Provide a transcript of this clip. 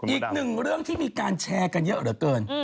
อีกหนึ่งเรื่องที่มีการแชร์กันเยอะเหลือเกิน